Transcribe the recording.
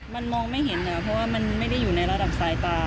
มันมองไม่เห็นเพราะว่ามันไม่ได้อยู่ในระดับสายตา